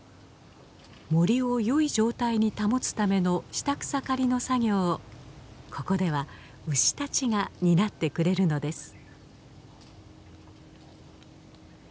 森をよい状態に保つための下草刈りの作業をここでは牛たちが担ってくれるのです。